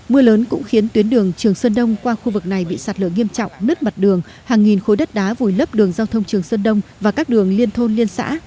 mưa lớn cũng khiến tuyến đường trường sơn đông qua khu vực này bị sạt lửa nghiêm trọng nứt mặt đường hàng nghìn khối đất đá vùi lấp đường giao thông trường sơn đông và các đường liên thôn liên xã